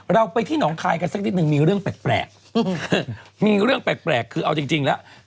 เราไปที่หนองคายกันสักนิดนึงมีเรื่องแปลกมีเรื่องแปลกคือเอาจริงแล้ว